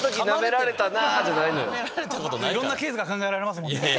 いろんなケースが考えられますもんね。